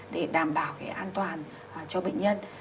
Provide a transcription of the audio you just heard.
để đảm bảo cái an toàn cho bệnh nhân